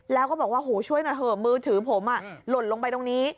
แล้วก็บอกว่าโหช่วยหน่อยเถอะมือถือผมหล่นลงไปตรงนี้